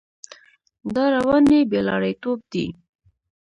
دا رواني بې لارېتوب دی.